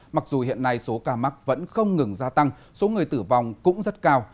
mặc dù hiện nay số ca mắc vẫn không ngừng gia tăng số người tử vong cũng rất cao